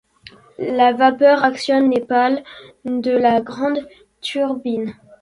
La vapeur actionne les pales de la grande turbine.